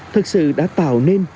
thật sự đã tạo nên